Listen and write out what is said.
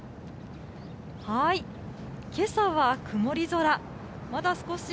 けさは曇り空。